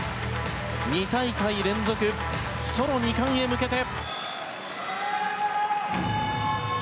２大会連続ソロ２冠へ向けて。